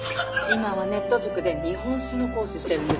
今はネット塾で日本史の講師してるんです。